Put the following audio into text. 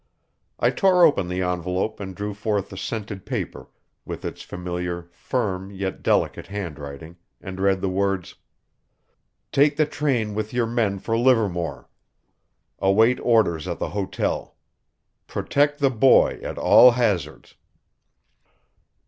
I tore open the envelope and drew forth the scented paper with its familiar, firm, yet delicate handwriting, and read the words: "Take the train with your men for Livermore. Await orders at the hotel. Protect the boy at all hazards."